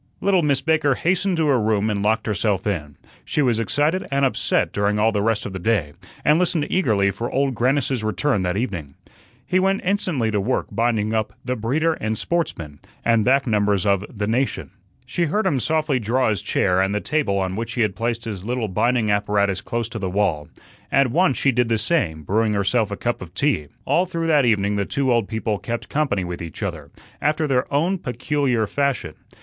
Little Miss Baker hastened to her room and locked herself in. She was excited and upset during all the rest of the day, and listened eagerly for Old Grannis's return that evening. He went instantly to work binding up "The Breeder and Sportsman," and back numbers of the "Nation." She heard him softly draw his chair and the table on which he had placed his little binding apparatus close to the wall. At once she did the same, brewing herself a cup of tea. All through that evening the two old people "kept company" with each other, after their own peculiar fashion.